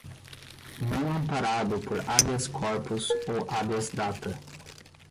não amparado por "habeas-corpus" ou "habeas-data"